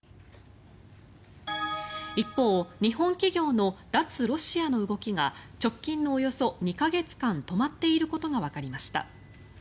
一方、日本企業の脱ロシアの動きが直近のおよそ２か月間止まっていることがわかりました。